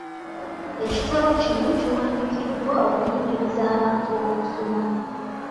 Ekitabo kino kiwandiikiddwa okuyigiriza abantu okusoma.